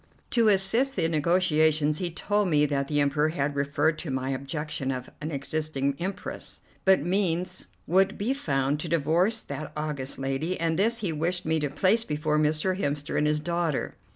To assist the negotiations he told me that the Emperor had referred to my objection of an existing Empress, but means would be found to divorce that august lady, and this he wished me to place before Mr. Hemster and his daughter.